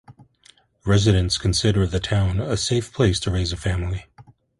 Residents consider the town a safe place to raise a family.